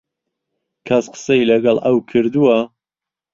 کەس قسەی لەگەڵ ئەو کردووە؟